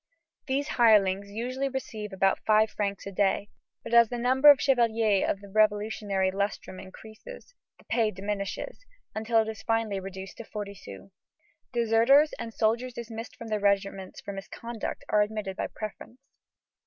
These hirelings usually receive about five francs a day, but as the number of the chevaliers of the revolutionary lustrum increases, the pay diminishes, until it is finally reduced to forty sous. Deserters and soldiers dismissed from their regiments for misconduct are admitted by preference.